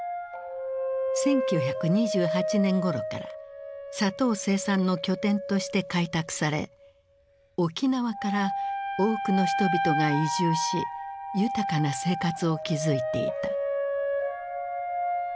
１９２８年ごろから砂糖生産の拠点として開拓され沖縄から多くの人々が移住し豊かな生活を築いていた。